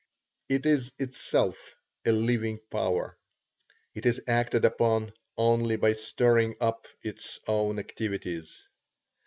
It is itself a living power. It is acted upon only by stirring up its own activities.